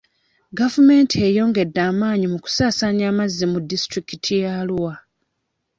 Gavumenti eyongedde amaanyi mu kusaasaanya amazzi mu disitulikiti ya Arua.